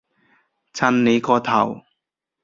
襯你個頭